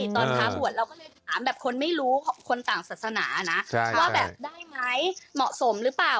ตอนพระบวชเราก็เลยถามแบบคนไม่รู้คนต่างศาสนานะว่าแบบได้ไหมเหมาะสมหรือเปล่า